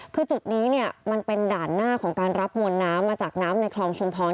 คือจุดนี้มันเป็นด่านหน้าของการรับมวลน้ำมาจากน้ำในคลองชุมพร